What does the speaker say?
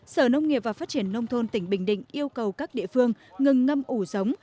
sở nông nghiệp và phát triển nông thôn tỉnh bình định yêu cầu các địa phương ngừng ngâm ủ giống